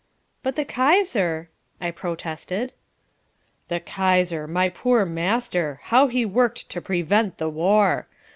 "But the Kaiser," I protested. "The Kaiser, my poor master! How he worked to prevent the war!